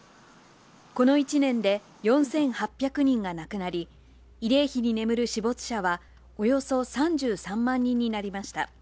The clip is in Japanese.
この１年で４８００人が亡くなり、慰霊碑に眠る死没者はおよそ３３万人になりました。